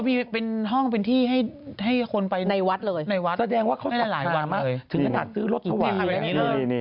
ไม่เป็นนี่หรอศรีจอมทรองกันเหรอค่ะเฮ้อโอเค